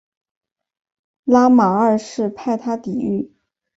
拉玛二世派他抵御。